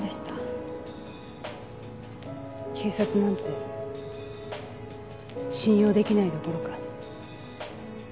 警察なんて信用出来ないどころか。